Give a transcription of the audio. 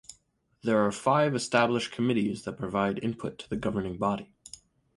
There are five established committees that provide input to the governing body.